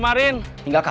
masih di pasar